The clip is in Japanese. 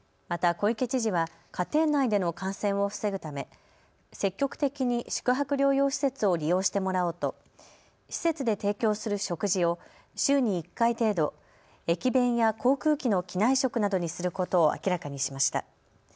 また小池知事は家庭内での感染を防ぐため積極的に宿泊療養施設を利用してもらおうと施設で提供する食事を週に１回程度、駅弁や航空機の機内食などにすることを明らかにしました。